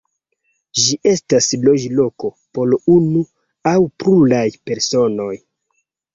Ĝi estas loĝloko por unu aŭ pluraj personoj.